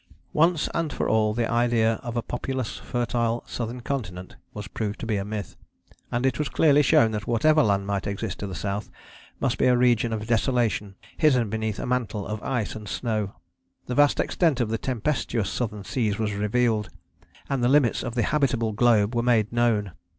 " "Once and for all the idea of a populous fertile southern continent was proved to be a myth, and it was clearly shown that whatever land might exist to the South must be a region of desolation hidden beneath a mantle of ice and snow. The vast extent of the tempestuous southern seas was revealed, and the limits of the habitable globe were made known.